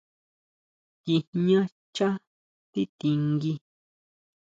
Guijñá xchá tití ngui.